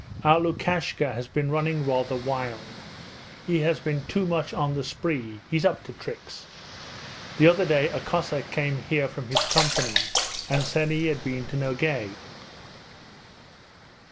Our Lukashka has been running rather wild. He has been too much on the spree! He's up to tricks! The other day a Cossack came here from his company and said he had been to Nogay.'